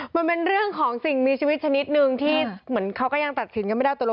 มันเป็นเรื่องของสิ่งมีชีวิตชนิดนึงที่เหมือนเขาก็ยังตัดสินกันไม่ได้ตกลง